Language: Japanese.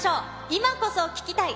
今こそ聴きたい！